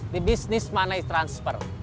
di bisnis mana transfer